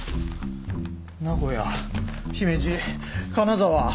名古屋姫路金沢。